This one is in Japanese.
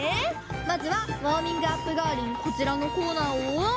まずはウォーミングアップがわりにこちらのコーナーを。